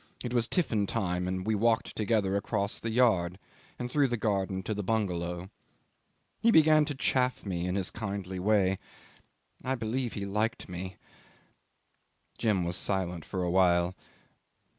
It was tiffin time, and we walked together across the yard and through the garden to the bungalow. He began to chaff me in his kindly way ... I believe he liked me ..." 'Jim was silent for a while.